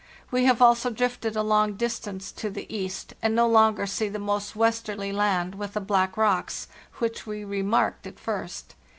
We have also drifted a long distance to the east, and no longer see the most westerly land with the black rocks, which we remarked at first.